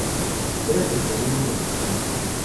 Era sordomudo de nacimiento.